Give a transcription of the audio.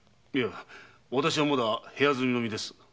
私はまだ部屋住みの身です。